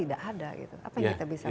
apa yang kita bisa pelajari